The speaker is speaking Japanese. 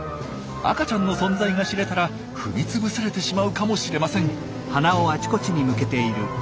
赤ちゃんの存在が知れたら踏みつぶされてしまうかもしれません。